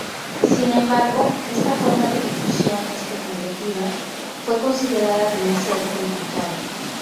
Sin embargo, esta forma de ejecución especulativa fue considerada demasiado complicada.